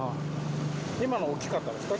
今の大きかったですか？